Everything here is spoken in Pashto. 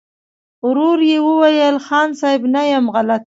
ورو يې وويل: خان صيب! نه يم غلط.